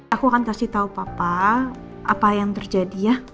aku akan kasih tahu papa apa yang terjadi ya